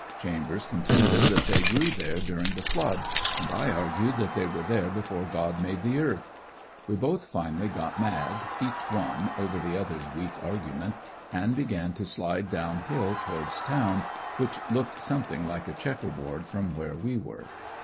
Chambers contended that they grew there during the flood, and I argued that they were there before God made the earth. We both finally got mad, each one, over the other's weak argument, and began to slide down hill towards town, which looked something like a checkerboard from where we were.